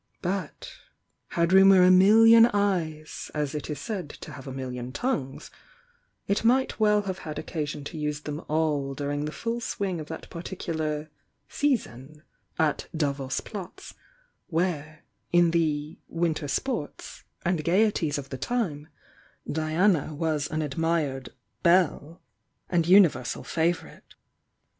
But, had Rumour a million eyes, as it is said to have a million tongues, it might well have had occa sion to use them all during the full swing of that par ticular "season" at Davos Platz, where, in the "win ter sports" and gaieties of the time, Diana was an admired "belle" and universal favourite.